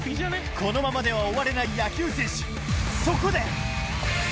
このままでは終われない野球選手